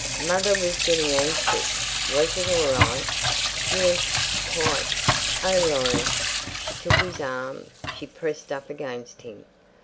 "Mother was getting anxious. Was it all right?" "Yes, quite. Oh, Laurie!" She took his arm, she pressed up against him.